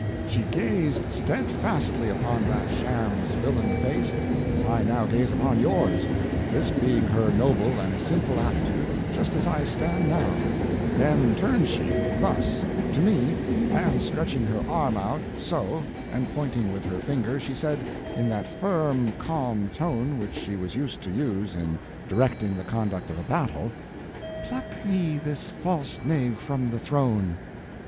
She gazed steadfastly upon that sham's villain face as I now gaze upon yours—this being her noble and simple attitude, just as I stand now—then turned she—thus—to me, and stretching her arm out—so—and pointing with her finger, she said, in that firm, calm tone which she was used to use in directing the conduct of a battle, 'Pluck me this false knave from the throne!'